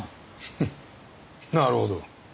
フッなるほど。